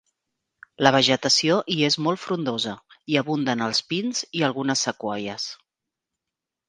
La vegetació hi és molt frondosa; hi abunden els pins i algunes sequoies.